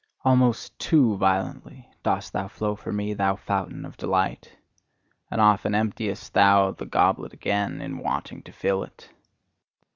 Almost too violently dost thou flow for me, thou fountain of delight! And often emptiest thou the goblet again, in wanting to fill it!